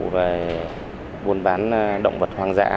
về buôn bán động vật hoang dã